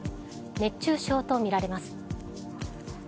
熱中症とみられます。